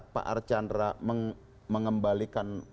pak archandra mengembalikan